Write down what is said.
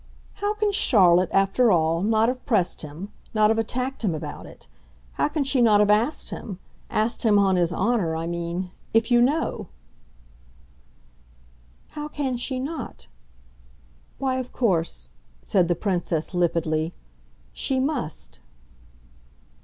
"How can Charlotte, after all, not have pressed him, not have attacked him about it? How can she not have asked him asked him on his honour, I mean if you know?" "How can she 'not'? Why, of course," said the Princess limpidly, "she MUST!"